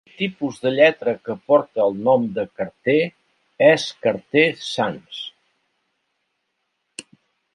L'únic tipus de lletra que porta el nom de Carter és Carter Sans.